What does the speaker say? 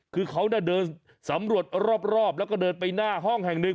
คือเขาเดินสำรวจรอบแล้วก็เดินไปหน้าห้องแห่งหนึ่ง